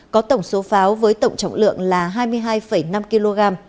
có tổng số pháo với tổng trọng lượng là hai mươi hai năm kg